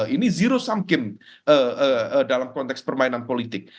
ini zero sum kim dalam konteks permainan politik